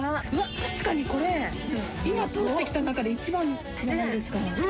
確かにこれ今通ってきた中で一番じゃないですか